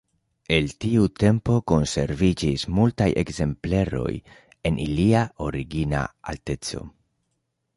El tiu tempo konserviĝis multaj ekzempleroj en ilia origina alteco.